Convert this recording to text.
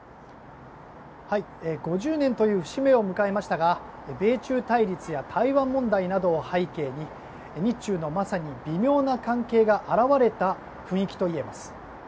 ５０年という節目を迎えましたが米中対立や台湾問題などを背景に日中のまさに微妙な関係が表れた雰囲気といえます。